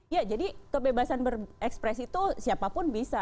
ya jadi kebebasan berekspresi itu siapapun bisa